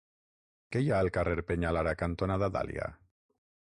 Què hi ha al carrer Peñalara cantonada Dàlia?